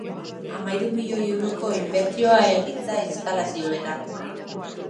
Hamahiru milioi euroko inbertsioa egin da instalazioetan.